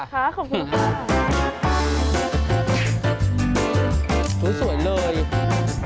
ขอบคุณค่ะ